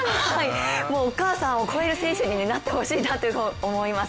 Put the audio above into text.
もうお母さんを超える選手になってほしいなと思います。